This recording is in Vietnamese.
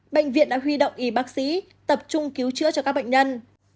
bệnh viện đã huy động y bác sĩ tập trung cứu chữa cho các bệnh nhân